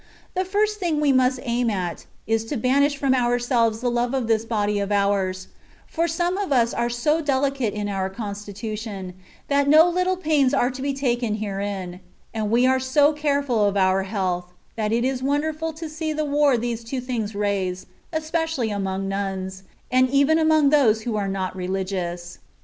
The first thing we must aim at, is to banish from our selves the love of this body of ours, for some of us are so delicate in our constitution, that no little pains are to be taken herein ; and we are so care ful of our health, that it is wonderful to see the war these two things raise, especially among nuns^ and even among those who are not Religious.